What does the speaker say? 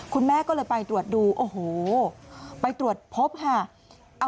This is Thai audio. คุณแม่ก็เลยไปตรวจดูโอ้โหไปตรวจพบค่ะ